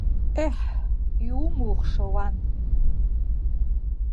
Еҳ, иумухша уан!